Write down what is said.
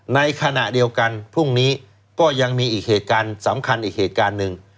ในขณะเดียวกันพรุ่งนี้ก็ยังมีอีกเหตุการณ์สำคัญอีกเหตุการณ์หนึ่ง